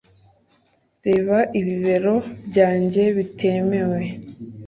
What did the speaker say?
Reba ibibero byanjye bitemewe